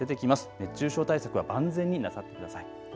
熱中症対策は万全になさってください。